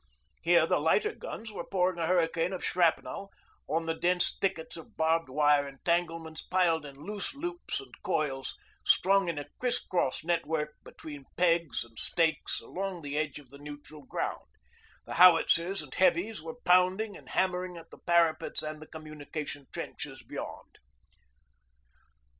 Here the lighter guns were pouring a hurricane of shrapnel on the dense thickets of barbed wire entanglements piled in loose loops and coils, strung in a criss cross network between pegs and stakes along the edge of the neutral ground; the howitzers and heavies were pounding and hammering at the parapets and the communication trenches beyond.